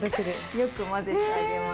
よく混ぜてあげます。